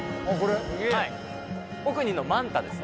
奥にいるのマンタですね。